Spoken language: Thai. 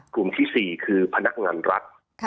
กลุ่มที่๔คือพนักงานรัฐ